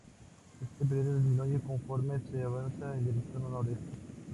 Este periodo disminuye conforme se avanza en dirección noreste.